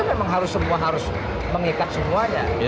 memang harus semua harus mengikat semuanya